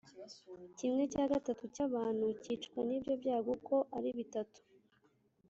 Kimwe cya gatatu cy’abantu cyicwa n’ibyo byago uko ari bitatu,